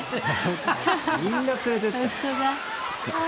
みんな連れてって。